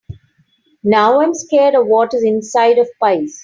Now, I’m scared of what is inside of pies.